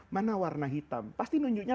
mana warna hitam pasti nunjuknya